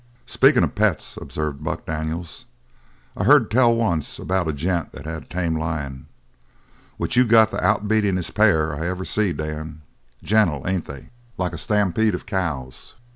"Speakin' of pets," observed Buck Daniels, "I heard tell once about a gent that had a tame lion. Which you got the outbeatingest pair I ever see, Dan. Gentle, ain't they, like a stampede of cows!"